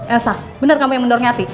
elsa bener kamu yang mendorong yati